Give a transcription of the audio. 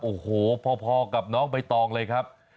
โอ้โหพอกับน้องใบตองเลยครับ